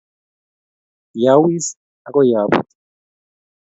kiawis akoi abut